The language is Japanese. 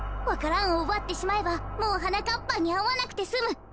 わか蘭をうばってしまえばもうはなかっぱんにあわなくてすむ。